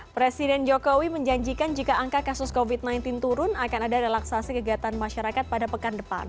presiden jokowi menjanjikan jika angka kasus covid sembilan belas turun akan ada relaksasi kegiatan masyarakat pada pekan depan